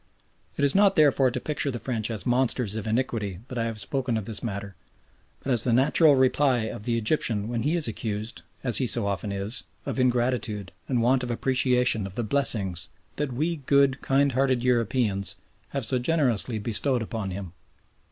It is not therefore to picture the French as monsters of iniquity that I have spoken of this matter, but as the natural reply of the Egyptian when he is accused, as he so often is, of ingratitude and want of appreciation of the blessings that we good, kind hearted Europeans have so generously bestowed upon him.